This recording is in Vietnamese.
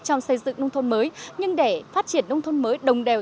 trong xây dựng nông thôn mới nhưng để phát triển nông thôn mới đồng đều